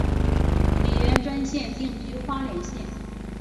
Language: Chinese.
李元贞现定居花莲县。